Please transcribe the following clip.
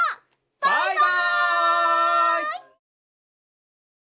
バイバイ！